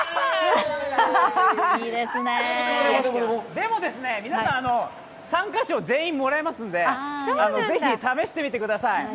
でもですね、皆さん参加賞全員もらえますんでぜひ試してみてください。